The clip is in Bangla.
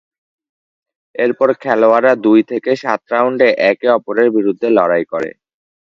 এরপর খেলোয়াড়রা দুই থেকে সাত রাউন্ডে একে অপরের বিরুদ্ধে লড়াই করে।